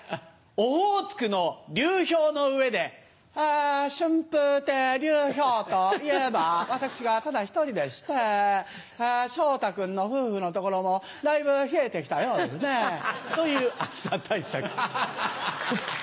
オホーツクの流氷の上で「え春風亭流氷といえば私ただ一人でして昇太君の夫婦のところもだいぶ冷えて来たようですね」と言う暑さ対策。